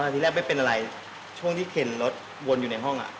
ที่แรกไม่เป็นไรเวลาเข่นรถวนอยู่ในห้อง